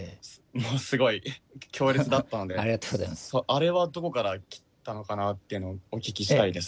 あれはどこから来たのかなっていうのをお聞きしたいです。